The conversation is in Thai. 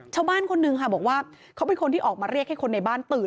คนนึงค่ะบอกว่าเขาเป็นคนที่ออกมาเรียกให้คนในบ้านตื่น